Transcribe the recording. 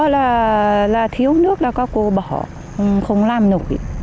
nước là thiếu nước là có cô bỏ không làm nổi